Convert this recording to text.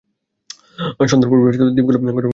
সন্ধ্যার পূর্বেই দীপগুলো ঘরে ঘরে ভাগ করে দিয়ে আসতে হয়।